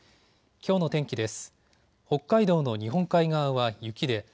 きょうの天気です。